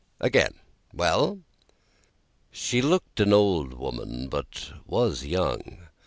"Again, well?" She looked an old woman, but was young.